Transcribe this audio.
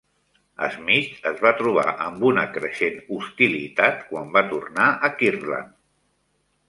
Smith es va trobar amb una creixent hostilitat quan va tornar a Kirtland.